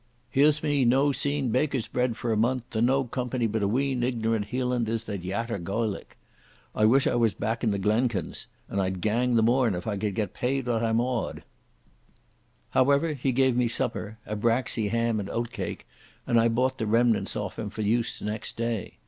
"Here's me no seen baker's bread for a month, and no company but a wheen ignorant Hielanders that yatter Gawlic. I wish I was back in the Glenkens. And I'd gang the morn if I could get paid what I'm awed." However, he gave me supper—a braxy ham and oatcake, and I bought the remnants off him for use next day.